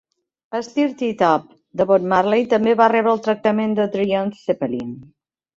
"Stir It Up" de Bob Marley també va rebre el tractament de Dread Zeppelin.